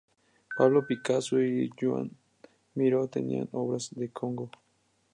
Pablo Picasso y Joan Miró tenían obras de Congo.